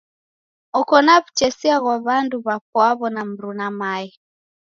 Oko na w'utesia ghwa w'andu w'apwaw'o na mruna mae.